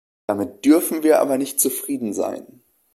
Damit dürfen wir aber nicht zufrieden sein.